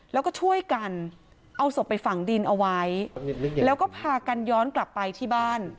แล้วก็ช่วยกันเอาศพไปฝังดินเอาไว้แล้วก็พากันย้อนกลับไปที่บ้าน